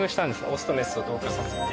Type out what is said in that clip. オスとメスを同居させて。